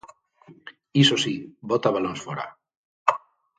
Iso si, bota balóns fóra.